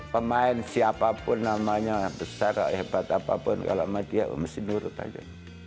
pemain siapapun namanya besar hebat apapun kalau sama dia mesti nurut aja